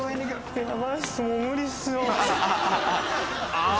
ああ。